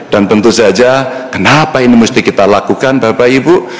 dan tentu saja kenapa ini mesti kita lakukan bapak ibu